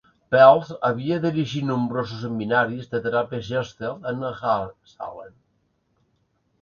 Perls havia dirigit nombrosos seminaris de teràpia Gestalt en Esalen.